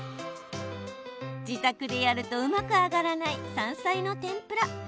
自宅でやるとうまく揚がらない山菜の天ぷら。